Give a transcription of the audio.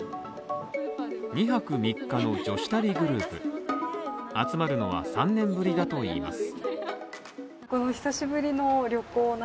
２泊３日の女子旅グループ集まるのは３年ぶりだといいます。